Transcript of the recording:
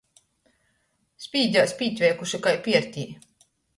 Spīdēs pītveikuši kai piertī.